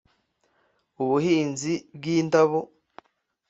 ubuhinzi bw’indabo